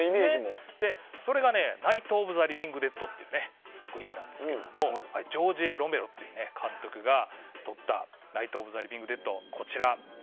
それが「ナイト・オブ・ザ・リビングデッド」という作品なんですけどジョージ・Ａ・ロメロ監督が撮った「ナイト・オブ・ザ・リビングデッド」。